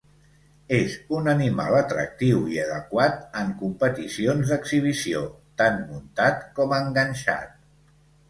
És un animal atractiu i adequat en competicions d'exhibició, tant muntat com enganxat.